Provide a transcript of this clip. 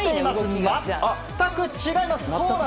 全く違います！